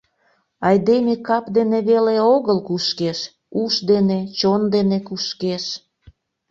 Айдеме кап дене веле огыл кушкеш; уш дене, чон дене кушкеш.